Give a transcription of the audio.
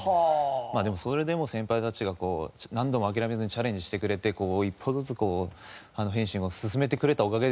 まあでもそれでも先輩たちがこう何度も諦めずにチャレンジしてくれて一歩ずつこうフェンシングを進めてくれたおかげですよね。